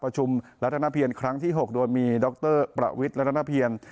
ประชุมรัฐนาเพียรครั้งที่๖โดยมีดรประวิทย์รัฐนเพียร